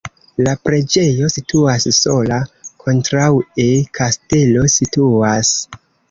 La preĝejo situas sola, kontraŭe kastelo situas.